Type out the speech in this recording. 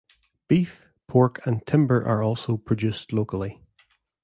Beef, pork and timber are also produced locally.